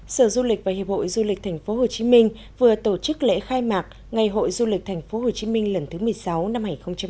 sở du lịch và hiệp hội du lịch tp hcm vừa tổ chức lễ khai mạc ngày hội du lịch tp hcm lần thứ một mươi sáu năm hai nghìn hai mươi